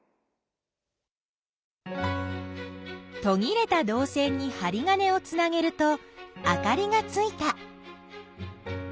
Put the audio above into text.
とぎれたどう線にはり金をつなげるとあかりがついた。